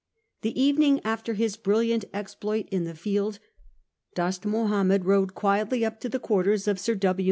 The evening after his brilliant exploit in the field Dost Mahomed rode quietly up to the quarters of Sir W.